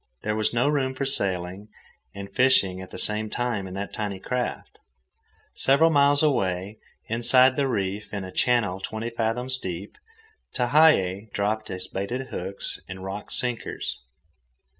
There was no room for sailing and fishing at the same time in that tiny craft. Several miles away, inside the reef, in a channel twenty fathoms deep, Tehei dropped his baited hooks and rock sinkers.